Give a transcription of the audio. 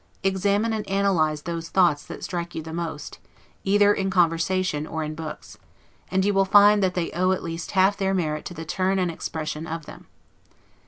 Examine and analyze those thoughts that strike you the most, either in conversation or in books; and you will find that they owe at least half their merit to the turn and expression of them.